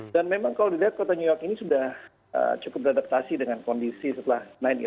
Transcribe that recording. dan memang kalau dilihat kota new york ini sudah cukup beradaptasi dengan kondisi setelah sembilan sebelas